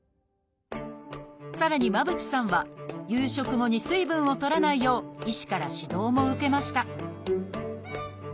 さらに間渕さんは夕食後に水分をとらないよう医師から指導も受けました